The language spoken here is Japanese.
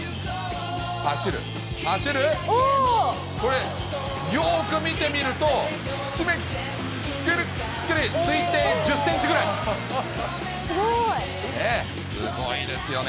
走る、走る、これ、よーく見てみると、地面ぎりっぎり、推定１０センチぐらい、すごいですよね。